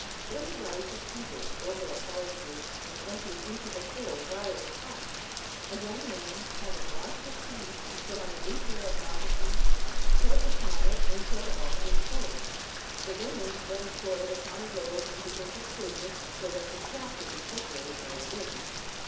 Then the rice is heated over a fire place, and emptied into the hole while it is hot. A young man, having washed his feet and put on a new pair of moccasins, treads upon it until all is hulled. The women then pour it upon a robe and begin to shake it so that the chaff will be separated by the wind.